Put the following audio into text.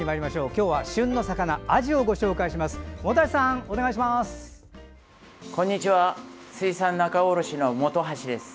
今日は旬の魚アジをご紹介します。